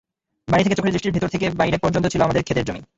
বাড়ি থেকে চোখের দৃষ্টির ভেতর থেকে বাইরে পর্যন্ত ছিল আমাদের খেতের জমি।